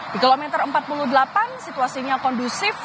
di kilometer empat puluh delapan situasinya kondusif